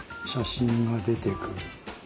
写真が出てくる。